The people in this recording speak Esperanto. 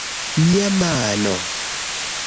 Mia mano...